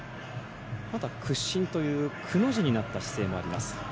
あとは屈身というくの字になった姿勢もあります。